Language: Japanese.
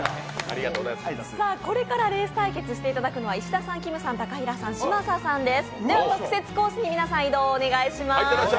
これかられーす対決していただくのは、石田さん、きむさん、高比良さん、嶋佐さんです。